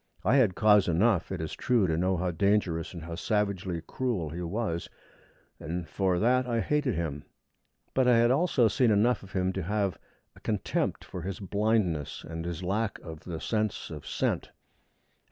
I had cause enough, it is true, to know how dangerous and how savagely cruel he was, and for that I hated him. But I had also seen enough of him to have a contempt for his blindness and his lack of the sense of scent.